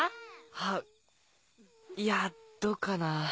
はっいやどうかな。